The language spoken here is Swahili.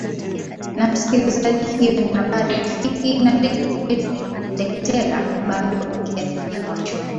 m msikilizaji hiyo ni habari rafiki na david edwin ndeketela bado akiyatupia macho